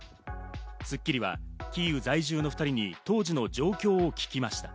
『スッキリ』はキーウ在住の２人に当時の状況を聞きました。